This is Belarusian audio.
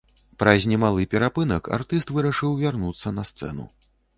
Праз немалы перапынак артыст вырашыў вярнуцца на сцэну.